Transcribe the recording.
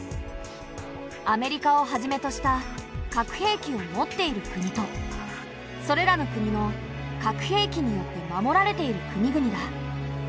アメリカをはじめとした核兵器を持っている国とそれらの国の核兵器によって守られている国々だ。